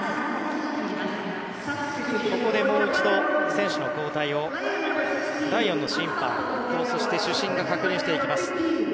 ここでもう一度、選手の交代を第４の審判と主審が確認していきます。